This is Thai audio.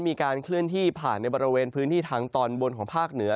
มีการเคลื่อนที่ผ่านในบริเวณพื้นที่ทางตอนบนของภาคเหนือ